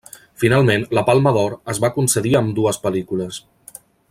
Finalment, la Palma d'Or es va concedir a ambdues pel·lícules.